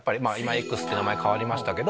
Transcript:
Ｘって名前変わりましたけど。